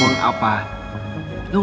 tinggalkan gue dulu dong